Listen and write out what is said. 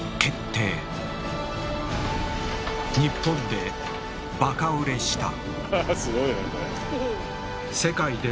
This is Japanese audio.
世界でもバカ売れした。